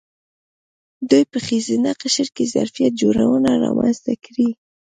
دوی په ښځینه قشر کې ظرفیت جوړونه رامنځته کړې.